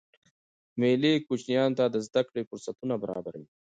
مېلې کوچنيانو ته د زدهکړي فرصتونه برابروي.